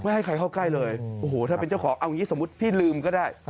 ให้ใครเข้าใกล้เลยโอ้โหถ้าเป็นเจ้าของเอาอย่างนี้สมมุติพี่ลืมก็ได้